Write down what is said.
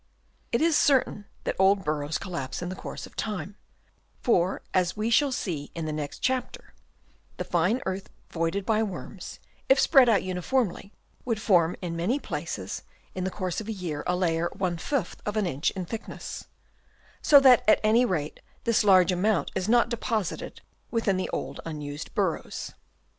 It is certain that old burrows collapse in the course of time ; for as we shall see in the next chapter, the fine earth voided by worms, if spread out uniformly, would form in many places in the course of a year a layer ± of an inch in thickness ; so that at any rate this large amount is not deposited within the old unused burrows.